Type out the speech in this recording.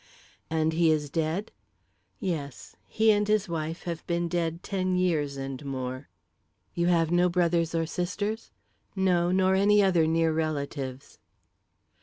"And he is dead?" "Yes; he and his wife have been dead ten years and more." "You have no brothers or sisters?" "No; nor any other near relatives."